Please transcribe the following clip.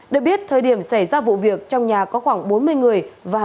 được biết thời điểm xảy ra vụ việc trong nhà có khoảng bốn mươi người